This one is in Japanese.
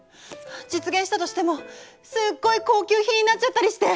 実現したとしてもすっごい高級品になっちゃったりして！